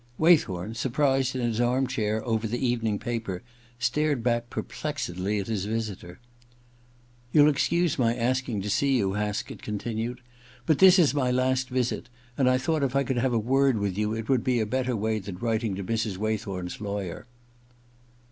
Waythorn, surprised in his armchair over the evening paper, stared back perplexedly at his visitor. * You'll excuse my asking to see you,' Haskett continued. 'But this is my last visit, and I thought if I could have a word with you it would be a better way than writing to Mrs. Waythorn's lawyer.'